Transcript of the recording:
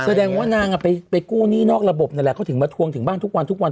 แสดงว่านางไปกู้หนี้นอกระบบนั่นแหละเขาถึงมาทวงถึงบ้านทุกวันทุกวัน